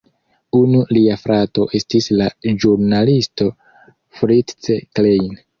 Unu lia frato estis la ĵurnalisto Fritz Klein.